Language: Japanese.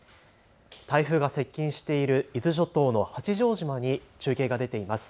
台風が接近している伊豆諸島の八丈島に中継が出ています。